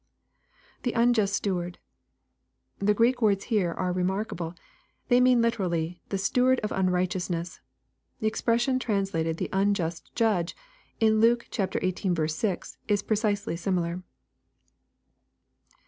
[ITie unjust stewardi] The Greek words here are remarkable. They mean literally the " steward of unrighteousness." The ex pression translated the " unjust judge," in Luke xviii. 6, is pre cisely similar.